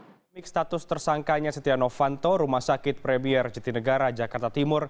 pemilik status tersangkanya setia novanto rumah sakit premier jatinegara jakarta timur